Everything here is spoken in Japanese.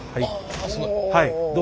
あすごい。